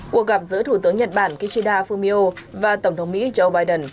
cuộc gặp giữa thủ tướng nhật bản kishida fumio và tổng thống mỹ joe biden